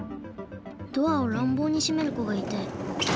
ドアをらんぼうにしめる子がいて。